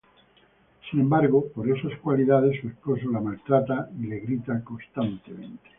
Sin embargo, por esas cualidades, su esposo la maltrata y le grita constantemente.